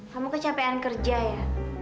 kamu kecapean kerja ya